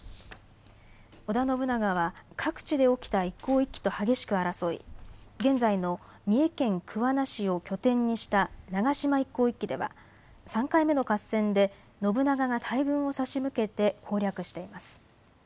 織田信長は各地で起きた一向一揆と激しく争い、現在の三重県桑名市を拠点にした長島一向一揆では３回目の合戦で信長が大軍を差し向けて攻略しています。